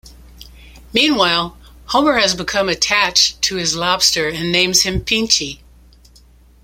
Meanwhile, Homer has become attached to his lobster and names him Pinchy.